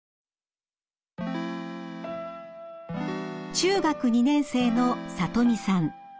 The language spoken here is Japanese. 中学２年生のさとみさん。